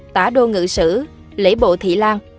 tả đô ngự sử lễ bộ thị lan